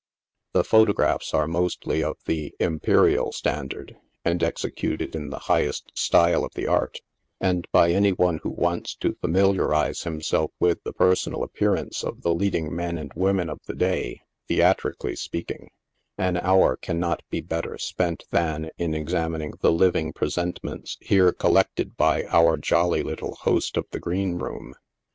The photo graphs are mostly of the " imperial" standard, and executed in the highest style of the art ; and, by any one who wants to familiarize himself with the personal appearance of the leading men and wo men of the day, theatrically speaking, an hour cannot be better spent than in examining the " living presentments" here collected by our jolly little host of the Green Room.